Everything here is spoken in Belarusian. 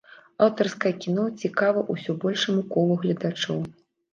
Аўтарскае кіно цікава ўсё большаму колу гледачоў.